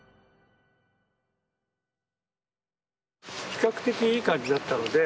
比較的いい感じだったので。